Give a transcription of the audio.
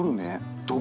どこ？